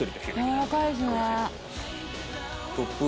やわらかいですね。